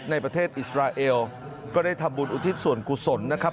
ในประเทศอิสราเอลก็ได้ทำบุญอุทิศส่วนกุศลนะครับ